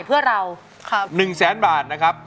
เพื่อเราครับคิดหนึ่งแสนบาทนะครับ